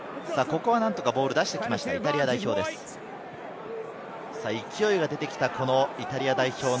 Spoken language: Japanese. ボールを出してきました、イタリア代表です。